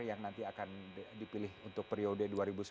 yang nanti akan dipilih untuk periode dua ribu sembilan belas dua ribu dua